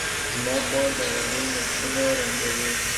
زما خور د غالۍ نقشونه رنګوي.